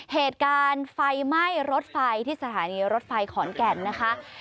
เหตุการณ์ไฟไหม้รถไฟที่สถานีรถไฟขอนแก่นนะคะ